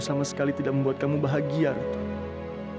sama sekali tidak membuat kamu bahagia roto